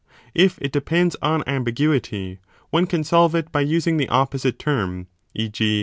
If it depends on ambiguity, one can solve it by using the opposite term ; e.g.